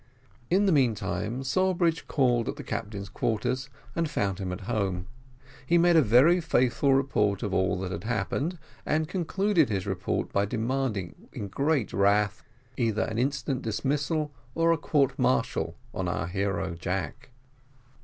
In the meantime, Sawbridge called at the captain's lodgings, and found him at home: he made a very faithful report of all that had happened, and concluded his requests by demanding, in great wrath, either an instant dismissal or a court martial on our hero, Jack.